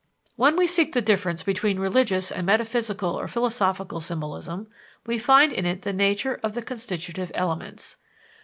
When we seek the difference between religious and metaphysical or philosophical symbolism, we find it in the nature of the constitutive elements.